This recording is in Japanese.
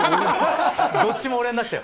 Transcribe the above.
どっちも俺になっちゃう。